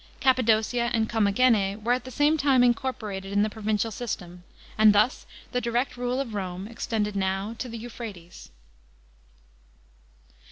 Cappadocia and Comrnagene were at the same time incorporated in the provincial system, and thus the direct rule of Rome extended now to the Euphratep.